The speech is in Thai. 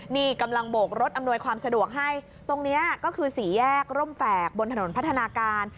นี่กำลังโบกรถอำนวยความสะดวกให้ตรงนี้ก็คือสี่แยกร่มแฝกบนถนนพัฒนาการ